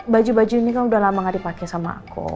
baju baju ini kan udah lama gak dipakai sama aku